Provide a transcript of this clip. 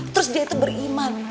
terus dia itu beriman